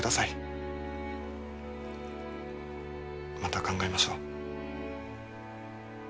また考えましょう。